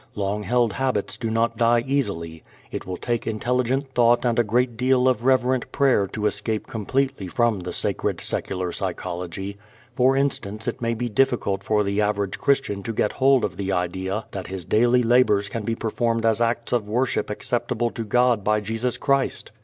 Long held habits do not die easily. It will take intelligent thought and a great deal of reverent prayer to escape completely from the sacred secular psychology. For instance it may be difficult for the average Christian to get hold of the idea that his daily labors can be performed as acts of worship acceptable to God by Jesus Christ.